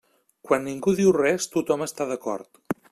Quan ningú diu res, tothom està d'acord.